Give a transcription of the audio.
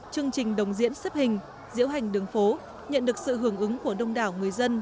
chương trình đồng diễn xếp hình diễu hành đường phố nhận được sự hưởng ứng của đông đảo người dân